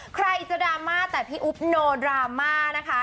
ใครจะดราม่าแต่พี่อุ๊บโนดราม่านะคะ